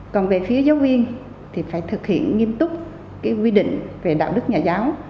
còn về phía giáo viên thì phải thực hiện nghiêm túc quy định về đạo đức nhà giáo